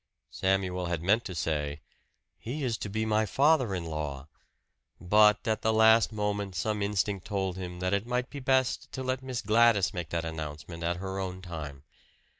Samuel had meant to say "He is to be my father in law." But at the last moment some instinct told him that it might be best to let Miss Gladys make that announcement at her own time.